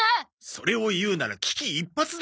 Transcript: それを言うなら「危機一髪」だろ！